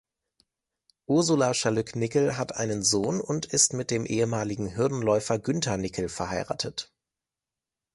Ursula Schalück-Nickel hat einen Sohn und ist mit dem ehemaligen Hürdenläufer Günther Nickel verheiratet.